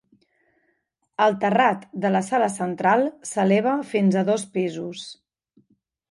El terrat de la sala central s'eleva fins a dos pisos.